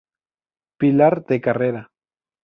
Pilar de Carrera.